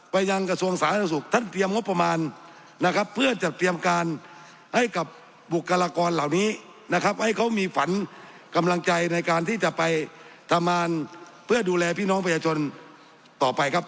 ไปยังกระทรวงสาธารณสุขท่านเตรียมงบประมาณนะครับ